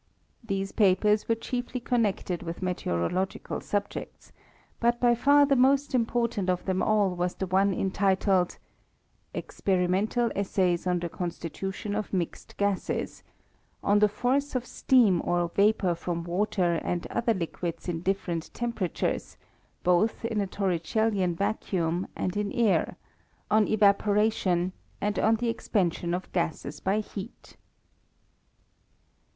These papers were chiefly con nected with meteorological subjects; but by far the most important of them all was the one en titled *' Experimental Essays on the Constitution of mixed Gases ; on the Force of Steam or Vapour from water and other liquids in different temperatures, both in a torricellian vacuum and in air ; on Eva poration; and on the Expansion of Gases by Heat."